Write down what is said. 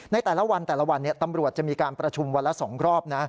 ในแต่ละวันแต่ละวันตำรวจจะมีการประชุมวันละ๒รอบนะ